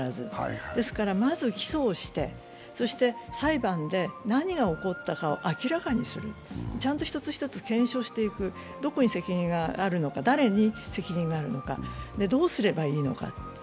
ですからまず起訴をして、裁判で何が起こったかを明らかにする、ちゃんと一つ一つ検証していく、どこに責任があるのか、誰に責任があるの、どうすればいいのか。